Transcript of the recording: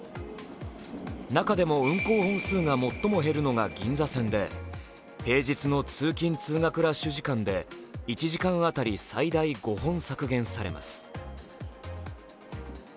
中でも運行本数が最も減るのが銀座線で、平日の通勤・通学ラッシュ時間で１時間当たり最大５本削減されます。